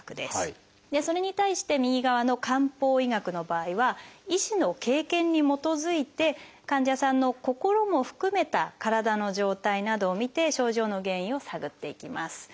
それに対して右側の漢方医学の場合は医師の経験に基づいて患者さんの心も含めた体の状態などを診て症状の原因を探っていきます。